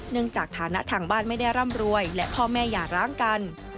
จากฐานะทางบ้านไม่ได้ร่ำรวยและพ่อแม่อย่าร้างกัน